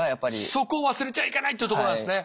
そこを忘れちゃいけないってとこなんですね。